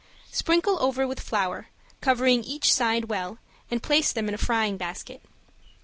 Sprinkle over with flour, covering each side well, and place them in a frying basket.